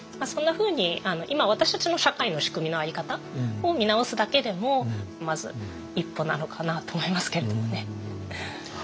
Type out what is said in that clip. そんなふうに今私たちの社会の仕組みのあり方を見直すだけでもまず一歩なのかなと思いますけれどもね。